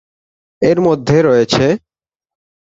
এর মধ্যে রয়েছে